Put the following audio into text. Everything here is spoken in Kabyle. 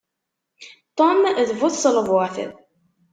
Tom d bu tṣelbuɛt.